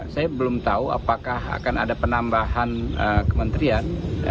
saya belum tahu apakah akan ada penambahan kementerian